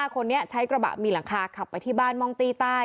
คนนี้ใช้กระบะมีหลังคาขับไปที่บ้านม่องตี้ใต้